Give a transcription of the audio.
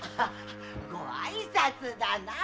ご挨拶だなあ！